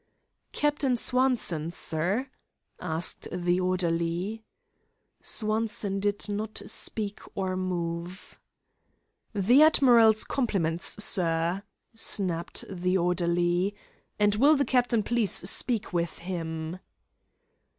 "Captain Swanson, sir?" asked the orderly. Swanson did not speak or move. "The admiral's compliments, sir," snapped the orderly, "and will the captain please speak with him?"